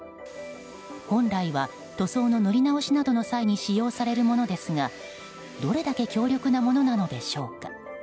本来は塗装の塗り直しなどの際に使用されるものですがどれだけ強力なものなのでしょうか。